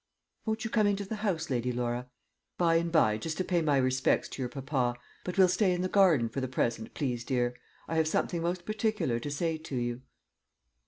"Won't you come into the house, Lady Laura?" "By and by, just to pay my respects to your papa. But we'll stay in the garden for the present, please, dear. I have something most particular to say to you."